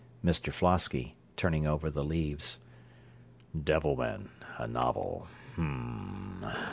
MR FLOSKY (Turning over the leaves.) 'Devilman, a novel.' Hm.